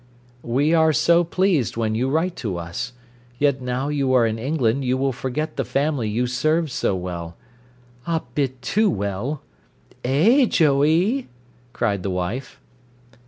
"'We are so pleased when you write to us. Yet now you are in England you will forget the family you served so well '" "A bit too well eh, Joey!" cried the wife.